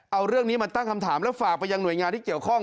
เอาเรื่องนี้มาตั้งคำถามแล้วฝากไปยังหน่วยงานที่เกี่ยวข้อง